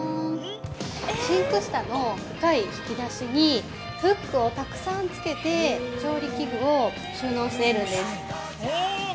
シンク下の深い引き出しにフックをたくさん付けて調理器具を収納しているんです。